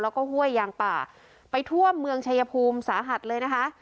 แล้วก็ห้วยยางป่าไปทั่วเมืองชายภูมิสาหัสเลยนะคะ